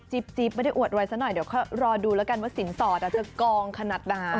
จิ๊บไม่ได้อวดอะไรสักหน่อยเดี๋ยวรอดูแล้วกันว่าสินสอดจะกองขนาดไหน